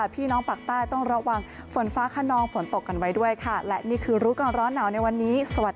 โปรดติดตามตอนต่อไป